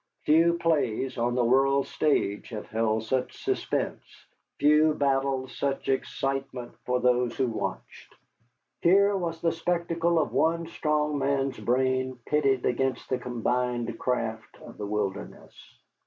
Few plays on the world's stage have held such suspense, few battles such excitement for those who watched. Here was the spectacle of one strong man's brain pitted against the combined craft of the wilderness.